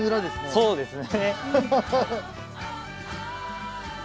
そうですね。